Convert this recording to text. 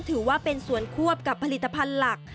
ถือว่าเป็นส่วนควบกับผลิตภัณฑ์หลัก